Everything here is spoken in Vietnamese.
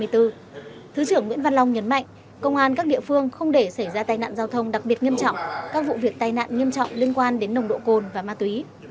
thứ trưởng nguyễn văn long nhấn mạnh công an các địa phương không để xảy ra tai nạn giao thông đặc biệt nghiêm trọng các vụ việc tai nạn nghiêm trọng liên quan đến nồng độ cồn và ma túy